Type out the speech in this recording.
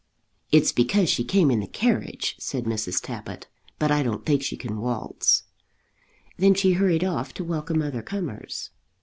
"It's because she came in the carriage," said Mrs. Tappitt; "but I don't think she can waltz." Then she hurried off to welcome other comers.